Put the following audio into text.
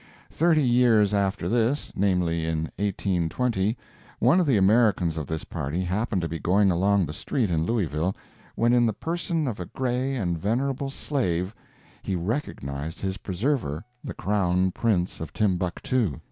Thirty years after this, namely, in 1820, one of the Americans of this party happened to be going along the street in Louisville, when in the person of a gray and venerable slave, he recognized his preserver, the Crown Prince of Timbuctoo!